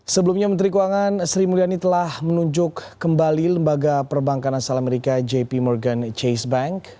sebelumnya menteri keuangan sri mulyani telah menunjuk kembali lembaga perbankan asal amerika jp morgan chase bank